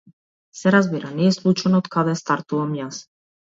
Се разбира, не е случајно од каде стартувам јас.